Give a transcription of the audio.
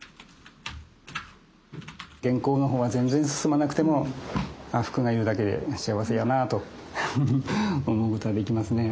原稿の方は全然進まなくてもふくがいるだけで幸せやなと思うことができますね。